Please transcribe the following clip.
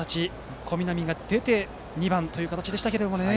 小南が出て２番という形でしたけどね。